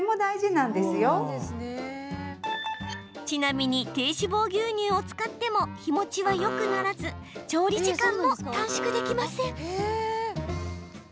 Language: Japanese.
ちなみに、低脂肪牛乳を使っても日もちはよくならず調理時間も短縮できません。